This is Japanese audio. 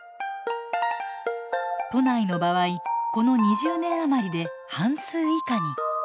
都内の場合この２０年余りで半数以下に。